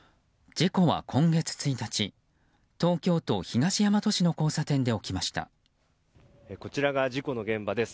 事故は今月１日東京都東大和市のこちらが事故の現場です。